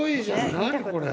何これ？